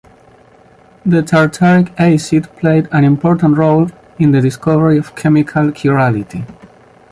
The tartaric acid played an important role in the discovery of chemical chirality.